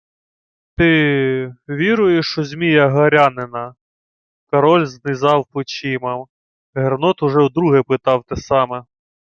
— Ти... віруєш у Змія Горянина? Король знизав плечима. Гернот уже вдруге питав те саме.